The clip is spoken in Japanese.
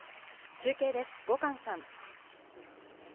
中継です、後閑さん。